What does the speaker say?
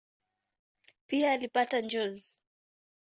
Pia alipata njozi.